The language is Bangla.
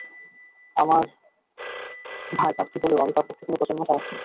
আমার ভাই প্রার্থী হলেও আমি তাঁর পক্ষে কোনো প্রচারণা চালাচ্ছি না।